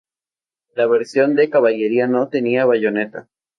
La versión de Caballería no tenía bayoneta.